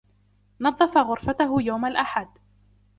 نظف غرفته يوم الاحد.